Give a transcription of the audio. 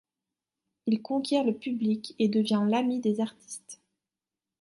Il conquiert le public et devient l'ami des artistes.